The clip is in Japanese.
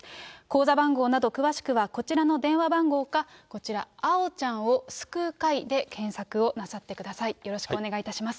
口座番号など詳しくはこちらの電話番号か、こちら、あおちゃんを救う会で検索をなさってください。